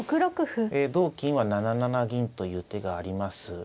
同金は７七銀という手があります。